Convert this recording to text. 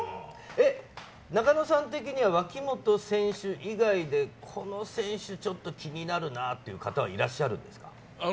中野さん的には脇本選手以外で、この選手、ちょっと気になるなという方はいらっしゃるんですか？